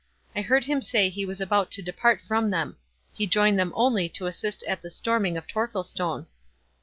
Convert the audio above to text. I heard him say he was about to depart from them. He joined them only to assist at the storming of Torquilstone."